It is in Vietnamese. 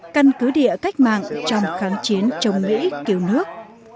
căn cứ địa cách mạng trong kháng chiến chống mỹ cứu nước